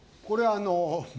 これあの。